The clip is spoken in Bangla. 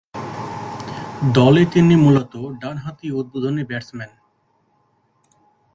দলে তিনি মূলতঃ ডানহাতি উদ্বোধনী ব্যাটসম্যান।